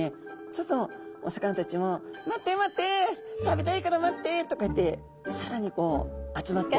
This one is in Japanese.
そうするとお魚たちも「待って待って食べたいから待って」とこうやってさらにこう集まって。